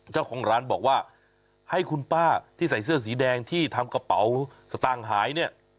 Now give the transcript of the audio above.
เจ้าของร้านบอกว่าให้คุณป้าที่ใส่เสื้อสีแดงที่ทำกระเป๋าสตางค์หายเนี่ย